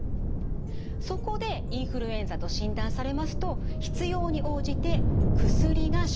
そこでインフルエンザと診断されますと必要に応じて薬が処方されます。